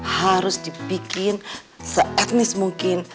harus dibikin se etnis mungkin